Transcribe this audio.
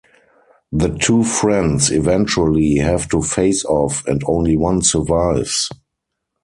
The two friends eventually have to face-off and only one survives.